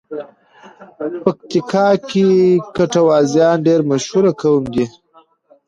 پکیتیکا کې ګټوازیان ډېر مشهور قوم دی.